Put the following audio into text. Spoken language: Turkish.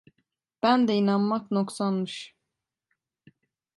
Bende inanmak noksanmış…